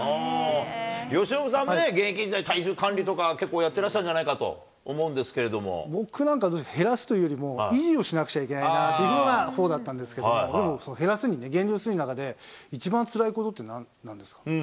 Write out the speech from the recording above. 由伸さんね、現役のとき、体重管理とか結構、やってらしたんじゃ僕なんか減らすというよりも、維持をしなくちゃいけないというようなほうだったんですけど、でも減らす、減量する中で、一番つらいことってなんですか？